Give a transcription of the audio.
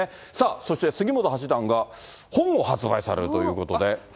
そして、杉本八段が本を発売されるということで。